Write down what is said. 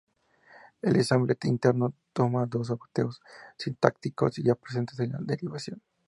El Ensamble Interno toma dos objetos sintácticos ya presentes en la derivación.